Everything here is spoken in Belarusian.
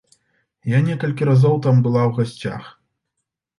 Я некалькі разоў там была ў гасцях.